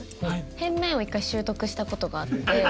変面を一回習得した事があって。